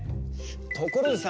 ところでさ